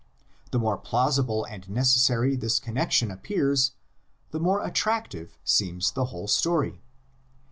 The more plausible and necessary this connexion appears, the more attractive seems the whole story.